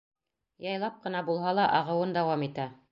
Яйлап ҡына булһа ла ағыуын дауам итә.